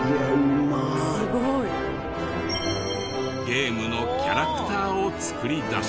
ゲームのキャラクターを作り出し。